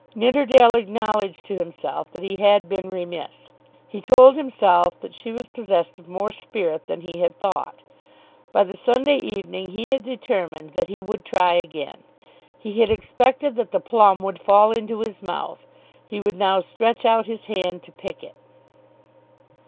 Nidderdale acknowledged to himself that he had been remiss. He told himself that she was possessed of more spirit than he had thought. By the Sunday evening he had determined that he would try again. He had expected that the plum would fall into his mouth. He would now stretch out his hand to pick it.